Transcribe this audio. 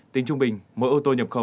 tính trung bình mỗi ô tô nhập khẩu